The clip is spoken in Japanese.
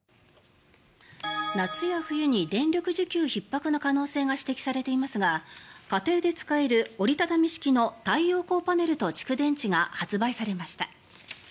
夏や冬に電力需給ひっ迫の可能性が指摘されていますが家庭で使える折り畳み式の太陽光パネルと蓄電池が発売されました。